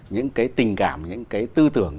những cái tình cảm những cái tư tưởng